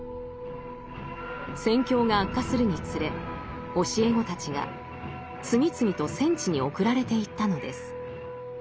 戦況が悪化するにつれ教え子たちが次々と戦地に送られていったのです。